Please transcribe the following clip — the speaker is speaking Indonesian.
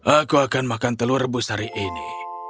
aku akan makan telur rebus hari ini